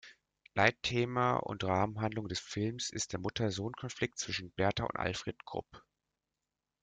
Leitthema und Rahmenhandlung des Films ist der Mutter-Sohn-Konflikt zwischen Bertha und Alfried Krupp.